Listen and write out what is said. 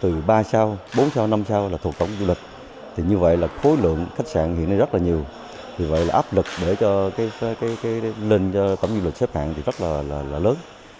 từ ba sao bốn sao năm sao là thuộc tổng du lịch như vậy là khối lượng khách sạn hiện nay rất là nhiều vì vậy là áp lực lên cho tổng du lịch xếp hạng rất là lớn